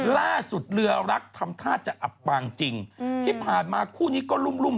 เรือรักทำท่าจะอับปางจริงที่ผ่านมาคู่นี้ก็รุ่มรุ่ม